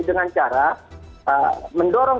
dengan cara mendorong